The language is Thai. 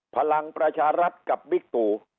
พลังประชารัฐกับบิ๊กตู่